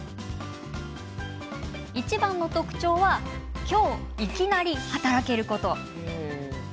いちばんの特徴は今日いきなり働けること。